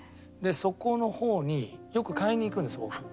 そこの方によく買いに行くんです僕。